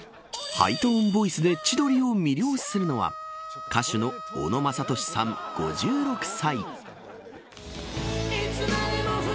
ハイトーンボイスで千鳥を魅了するのは歌手の小野正利さん５６歳。